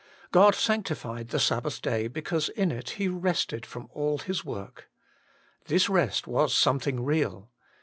2. God sanctified the Sabbath day, because in it He rested from all His work. This rest was some thing real.